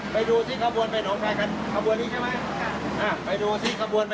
ไปดูสิขบวนไปน้องคลายลงไปดูครับ